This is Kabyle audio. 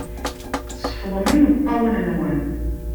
Sefḍem imeṭṭawen-nwen.